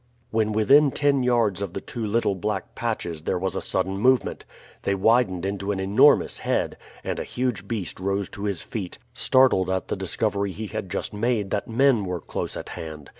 When within ten yards of the two little black patches there was a sudden movement; they widened into an enormous head, and a huge beast rose to his feet, startled at the discovery he had just made that men were close at hand.